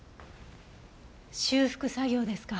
修復作業ですか。